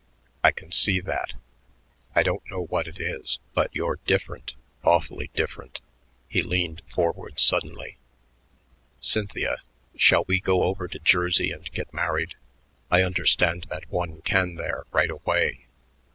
"I can see that. I don't know what it is, but you're different, awfully different." He leaned forward suddenly. "Cynthia, shall we go over to Jersey and get married? I understand that one can there right away.